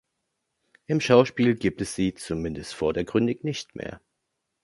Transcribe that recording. Im Schauspiel gibt es sie zumindest vordergründig nicht mehr.